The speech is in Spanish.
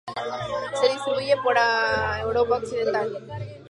Se distribuye por Europa occidental.